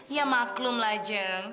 ya maklumlah jang